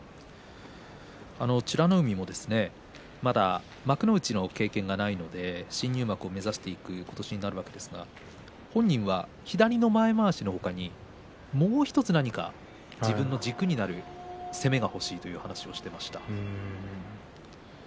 美ノ海もまだ幕内の経験がないので新入幕を目指していく今年になるわけですが本人は左の前まわしの他にもう１つ何か自分の軸になる攻めが欲しいという話をしていました。